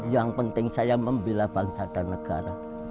yang penting saya membela bangsa dan negara